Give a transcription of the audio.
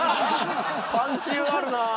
パンチがあるな。